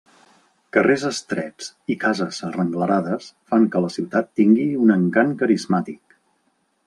Carrers estrets i cases arrenglerades fan que la ciutat tingui un encant carismàtic.